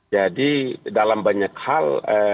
jadi dalam banyak hal